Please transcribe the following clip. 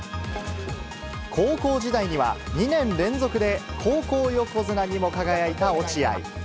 高校時代には、２年連続で高校横綱にも輝いた落合。